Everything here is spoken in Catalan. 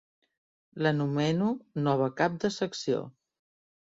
La nomeno nova cap de secció.